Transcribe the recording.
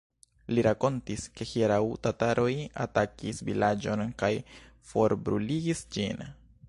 Li rakontis, ke hieraŭ tataroj atakis vilaĝon kaj forbruligis ĝin.